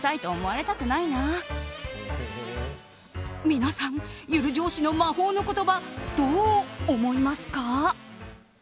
皆さん、ゆる上司の魔法の言葉どう思いますか？